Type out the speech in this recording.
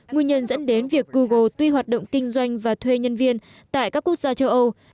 nguyên nhân dẫn đến việc google tuy hoạt động kinh doanh và thuê nhân viên tại các quốc gia châu âu